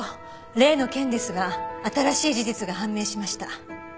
例の件ですが新しい事実が判明しました。